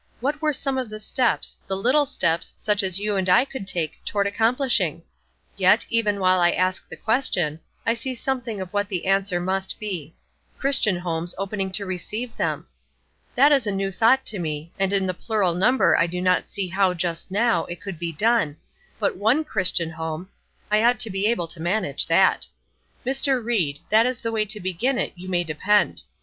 What were some of the steps, the little steps, such as you and I could take, toward accomplishing? Yet, even while I ask the question, I see something of what the answer must be. 'Christian homes opening to receive them!' That is a new thought to me, and in the plural number I do not see how just now, it could be done, but one Christian home, I ought to be able to manage that. Mr. Ried, that is the way to begin it, you may depend.